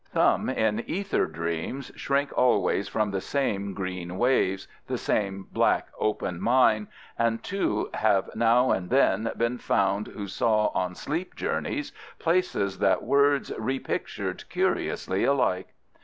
Some, in ether dreams, shrink always from the same green waves, the same black, open mine, and two have now and then been found who saw on sleep journeys places that words repictured curiously alike.